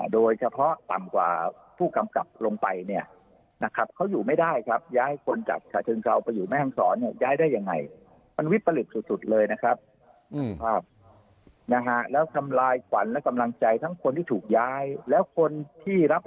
โดยเฉพาะต่ำกว่าผู้กำกับลงไปเนี่ย